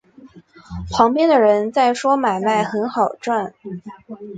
旁边的人在说买卖很好赚